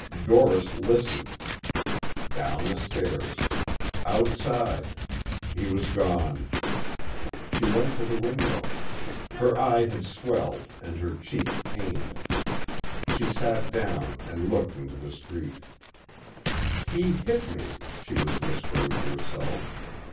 Doris listened. Down the stairs. Outside. He was gone. She went to the window. Her eye had swelled and her cheek pained. She sat down and looked into the street. "He hit me," she was whispering to herself.